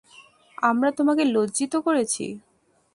আমরা তোমাকে লজ্জিত করেছি।